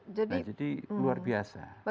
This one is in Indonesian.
nah jadi luar biasa